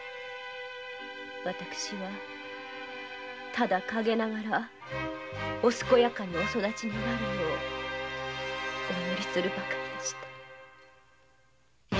私はただ陰ながら健やかにお育ちになるようお祈りしておりました。